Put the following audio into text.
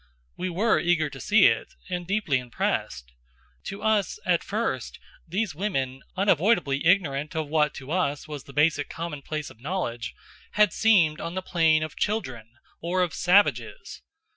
We were eager to see it, and deeply impressed. To us, at first, these women, unavoidably ignorant of what to us was the basic commonplace of knowledge, had seemed on the plane of children, or of savages.